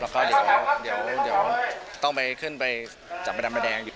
แล้วก็เดี๋ยวต้องไปขึ้นไปจับประดำประแดงอีก